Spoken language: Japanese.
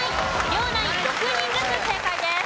両ナイン６人ずつ正解です。